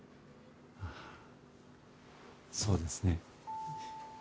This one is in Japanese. ああそうですね。